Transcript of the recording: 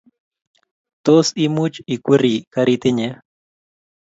Tos imuch ikweri karit inye?